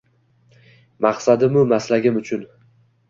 Maqsadimu maslagim uchun